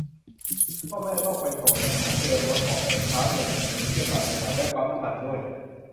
พ่อแม่ต้องไปส่ง จัดของ เตรียมรถ ออกแต่เช้า หยั่งกะจะไปเที่ยวต่างจังหวัด แวะปั๊มน้ำมันด้วย